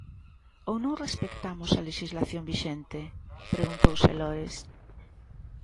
Ou non respectamos a lexislación vixente?, preguntouse Lores.